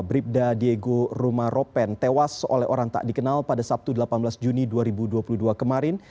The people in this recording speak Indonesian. bribda diego rumaropen tewas oleh orang tak dikenal pada sabtu delapan belas juni dua ribu dua puluh dua kemarin